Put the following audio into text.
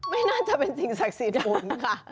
ไม่น่าจะเป็นสิ่งศักดิ์สิทธิ์ผมค่ะ